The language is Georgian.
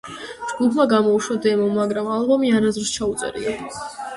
ჯგუფმა გამოუშვა დემო, მაგრამ ალბომი არასოდეს ჩაუწერია.